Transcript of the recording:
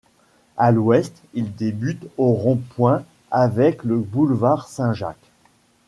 À l'ouest, il débute au rond-point avec le boulevard Saint-Jacques.